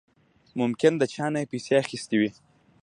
ممکن د چانه يې پيسې اخېستې وي.